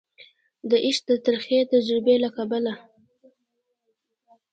د عشق د ترخې تجربي له کبله